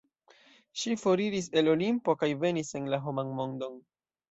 Ŝi foriris el Olimpo kaj venis en la homan mondon.